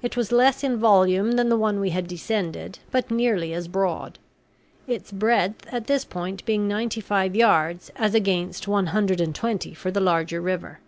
It was less in volume than the one we had descended, but nearly as broad; its breadth at this point being ninety five yards as against one hundred and twenty for the larger river.